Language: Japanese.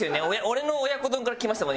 俺の「親子丼」からきました